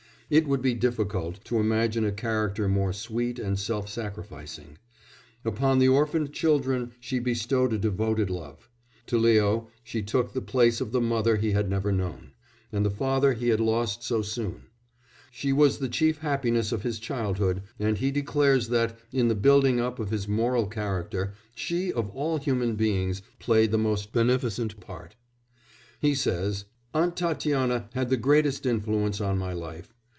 It would be difficult to imagine a character more sweet and self sacrificing; upon the orphaned children she bestowed a devoted love; to Leo she took the place of the mother he had never known, and the father he had lost so soon; she was the chief happiness of his childhood, and he declares that, in the building up of his moral character, she, of all human beings, played the most beneficent part. He says: "Aunt Tatiana had the greatest influence on my life.